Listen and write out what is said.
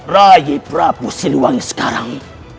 raih prabu siluwangi sekarang